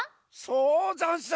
そうざんす！